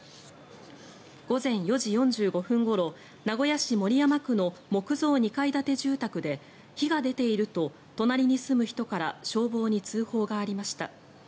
午前４時４５分ごろ名古屋市守山区の木造２階建て住宅で火が出ていると隣に住む人から消防に通報がありました。